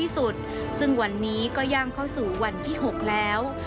ซึ่งวันนี้ก็ย่างเข้าสู่วันที่๖แล้ว